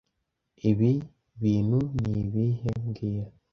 Ibi bintu ni ibihe mbwira